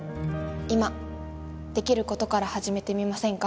今できることから始めてみませんか？